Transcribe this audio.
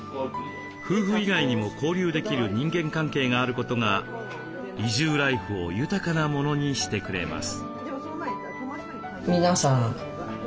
夫婦以外にも交流できる人間関係があることが移住ライフを豊かなものにしてくれます。